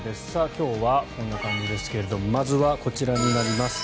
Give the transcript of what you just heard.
今日はこんな感じですけどまずはこちらになります。